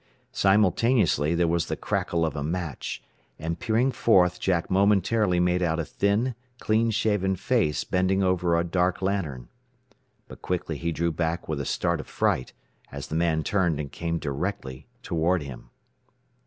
Simultaneously there was the crackle of a match, and peering forth Jack momentarily made out a thin, clean shaven face bending over a dark lantern. But quickly he drew back with a start of fright as the man turned and came directly toward him.